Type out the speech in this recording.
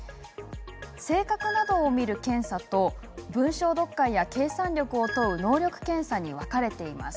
性格などを見る検査と文章読解や計算力を問う能力検査に分かれています。